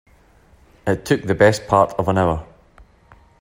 It took the best part of an hour.